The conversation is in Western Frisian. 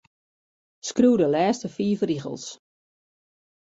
Skriuw de lêste fiif rigels.